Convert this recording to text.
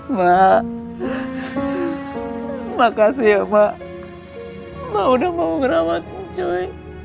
mbak makasih ya mbak mbak udah mau ngerawat cuy